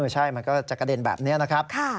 ใช่มันก็จะกระเด็นแบบนี้นะครับ